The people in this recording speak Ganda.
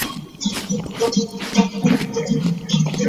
Geraageranya omusomo okuva mu biwandiikiddwa.